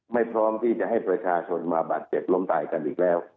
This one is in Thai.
พร้อมที่จะให้ประชาชนมาบาดเจ็บล้มตายกันอีกแล้ว